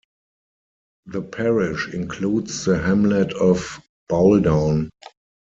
The parish includes the hamlet of Bowldown.